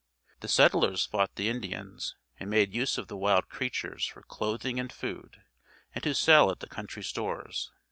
The settlers fought the Indians, and made use of the wild creatures for clothing and food, and to sell at the country stores.